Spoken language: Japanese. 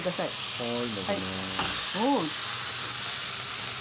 はい。